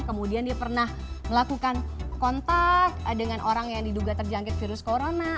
kemudian dia pernah melakukan kontak dengan orang yang diduga terjangkit virus corona